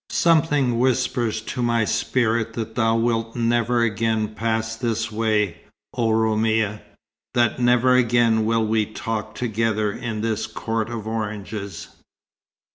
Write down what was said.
"Something whispers to my spirit that thou wilt never again pass this way, oh Roumia; that never again will we talk together in this court of oranges."